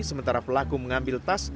sementara pelaku mengambil tas dan menolong